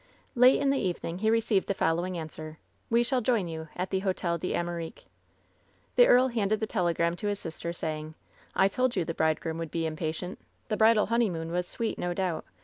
'' Late in the evening fie received the following answer: "We shall join you at the Hotel d'Amerique.'' The earl handed the telegram to his sister, saying: "I told you the bridegroom would be impatient. The bridal honeymoon was sweet, no doubt.